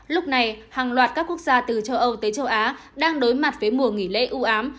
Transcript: lúc này hàng loạt các quốc gia từ châu âu tới châu á đang đối mặt với mùa nghỉ lễ ưu ám